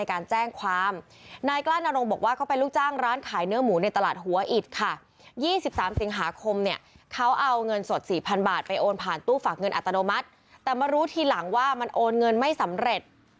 เขาเอาเงินสดสี่พานบาทไปโอนผ่านตู้ฝากเงินอัตโนมัติแต่มารู้ทีหลังว่ามันโอนเงินไม่สำเร็จ